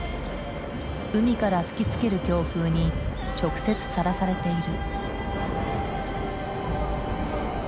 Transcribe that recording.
海から吹きつける強風に直接さらされている。